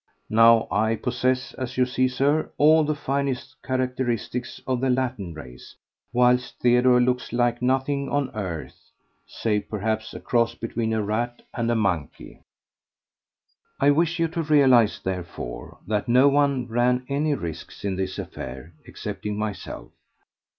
Now I possess—as you see, Sir—all the finest characteristics of the Latin race, whilst Theodore looks like nothing on earth, save perhaps a cross between a rat and a monkey. I wish you to realize, therefore, that no one ran any risks in this affair excepting myself.